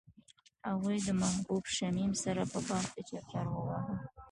هغوی د محبوب شمیم سره په باغ کې چکر وواهه.